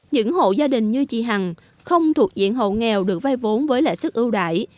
những hộ gia đình như chị hằng không thuộc diện hộ nghèo được vay vốn với lãi sức ưu đại